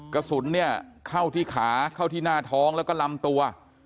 กระสุนเนี่ยเข้าที่ขาเข้าที่หน้าท้องแล้วก็ลำตัว